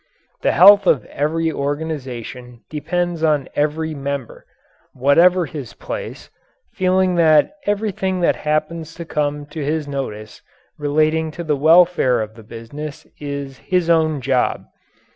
The health of every organization depends on every member whatever his place feeling that everything that happens to come to his notice relating to the welfare of the business is his own job.